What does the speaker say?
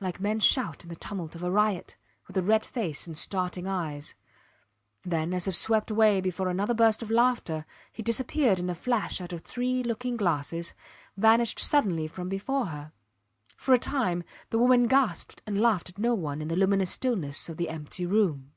like men shout in the tumult of a riot, with a red face and starting eyes; then, as if swept away before another burst of laughter, he disappeared in a flash out of three looking glasses, vanished suddenly from before her. For a time the woman gasped and laughed at no one in the luminous stillness of the empty room.